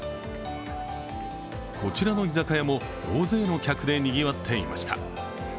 こちらの居酒屋も大勢の客で賑わっていました。